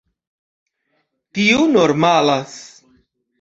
Tio normalas.